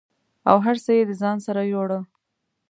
او هر څه یې د ځان سره یووړه